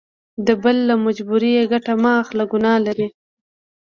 د بل له مجبوري ګټه مه اخله ګنا لري.